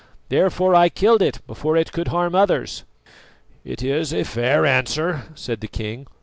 Therefore I killed it before it could harm others." "It is a fair answer," said the king.